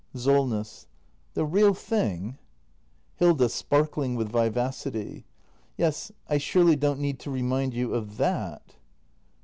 Solness. The real thing ? Hilda. [Sparkling with vivacity.] Yes, I surely don't need to remind vou of that?